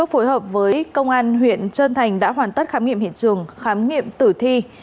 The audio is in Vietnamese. bình phước phối hợp với công an huyện trân thành đã hoàn tất khám nghiệm hiện trường khám nghiệm tử thi